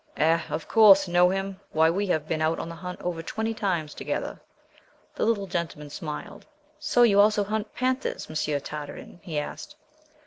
"Eh! of course! Know him? Why, we have been out on the hunt over twenty times together." The little gentleman smiled. "So you also hunt panthers, Monsieur Tartarin?" he asked.